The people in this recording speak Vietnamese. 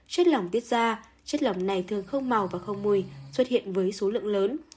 chất lỏng tiết ra chất lỏng này thường không màu và không mùi xuất hiện với số lượng lớn